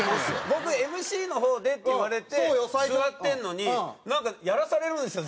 僕「ＭＣの方で」って言われて座ってんのになんかやらされるんですよ